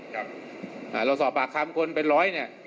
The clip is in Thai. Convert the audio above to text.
ถ้าเราเสาปากคลับเป็นร้อยเนี่ย